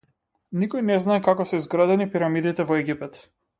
Никој не знае како се изградени пирамидите во Египет.